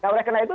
oleh karena itu